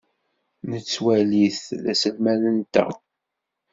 Nettwali-t d aselmad-nteɣ.